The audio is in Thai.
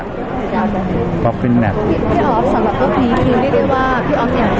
พี่ออฟสำหรับพวกนี้คือได้ว่าพี่ออฟเนี่ยคือได้กำลังใจ